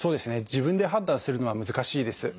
自分で判断するのは難しいです。